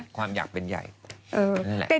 ความอยากเป็นใหญ่นั่นแหละ